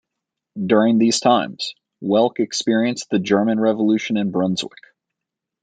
During these times, Welk experienced the German Revolution in Brunswick.